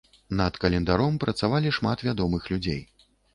Над календаром працавалі шмат вядомых людзей.